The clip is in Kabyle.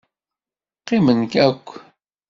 Qqimen akk.